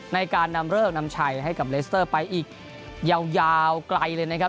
ในการนำเริกนำชัยให้กับเลสเตอร์ไปอีกยาวไกลเลยนะครับ